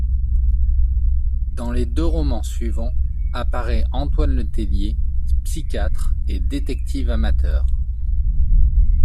Dans les deux romans suivants apparaît Antoine Le Tellier, psychiatre et détective amateur.